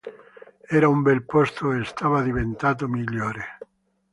Era un bel posto e stava diventando migliore.